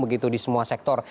begitu di semua sektor